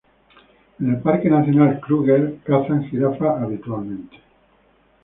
En el Parque nacional Kruger cazan jirafas habitualmente.